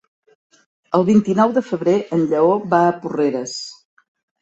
El vint-i-nou de febrer en Lleó va a Porreres.